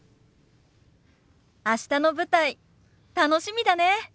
明日の舞台楽しみだね。